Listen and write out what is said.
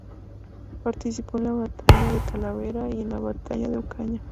Participó en la batalla de Talavera y en la batalla de Ocaña.